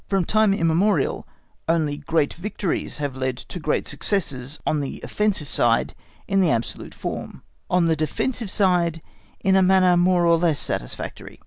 From time immemorial, only great victories have led to great successes on the offensive side in the absolute form, on the defensive side in a manner more or less satisfactory.